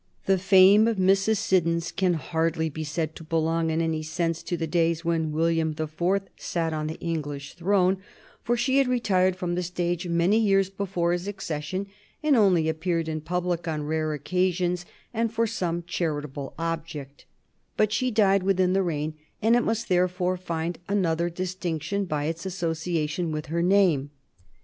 The fame of Mrs. Siddons can hardly be said to belong in any sense to the days when William the Fourth sat on the English throne, for she had retired from the stage many years before his accession, and only appeared in public on rare occasions and for some charitable object; but she died within the reign, and it must therefore find another distinction by its association with her name.